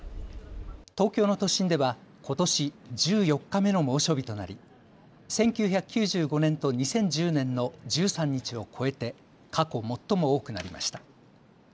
東京の都心ではことし１４日目の猛暑日となり、１９９５年と２０１０年の１３日を超えて過去最も多くなりました。